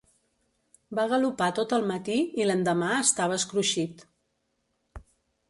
Va galopar tot el matí, i l'endemà estava escruixit.